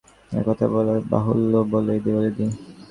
হারানবাবু বরদাসুন্দরীকে কহিলেন, এ কথা বলা বাহুল্য বলেই বলি নি।